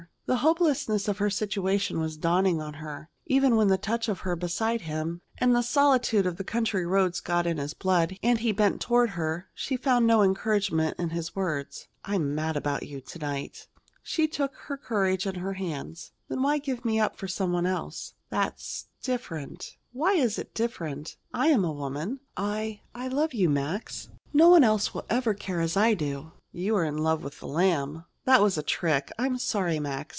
The hopelessness of her situation was dawning on her. Even when the touch of her beside him and the solitude of the country roads got in his blood, and he bent toward her, she found no encouragement in his words: "I am mad about you to night." She took her courage in her hands: "Then why give me up for some one else?" "That's different." "Why is it different? I am a woman. I I love you, Max. No one else will ever care as I do." "You are in love with the Lamb!" "That was a trick. I'm sorry, Max.